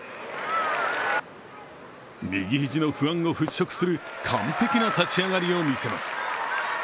右肘の不安を払拭する完璧な立ち上がりを見せます。